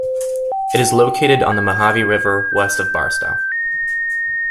It is located on the Mojave River, west of Barstow.